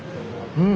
うん。